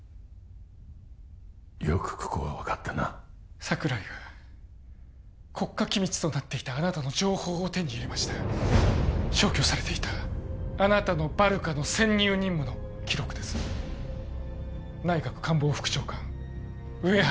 よくここが分かったな櫻井が国家機密となっていたあなたの情報を手に入れました消去されていたあなたのバルカの潜入任務の記録です内閣官房副長官上原